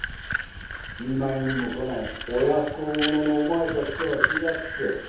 見舞いにも来ない親不孝者のお前たちとは違って。